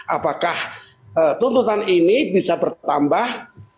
apakah tuntutan ini bisa bertambah